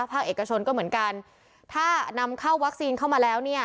ภาคเอกชนก็เหมือนกันถ้านำเข้าวัคซีนเข้ามาแล้วเนี่ย